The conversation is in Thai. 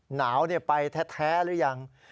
หนาวไปแท้หรือยัง